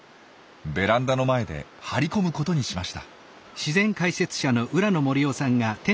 ベランダの前で張り込むことにしました。